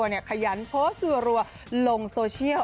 ที่เจ้าตัวเนี่ยขยันโพสต์โรวลงโทรเชียล